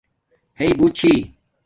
رئ بوت چھی